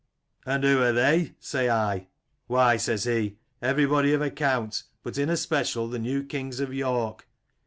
"' And who are they ?' say I. '" Why, 'says he, * everybody of account, but in especial the new kings of York.'